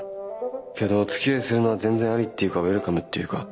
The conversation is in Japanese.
けどおつきあいするのは全然ありっていうかウエルカムっていうか。